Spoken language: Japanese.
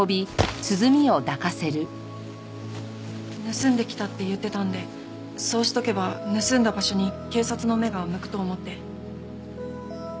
盗んできたって言ってたんでそうしとけば盗んだ場所に警察の目が向くと思って。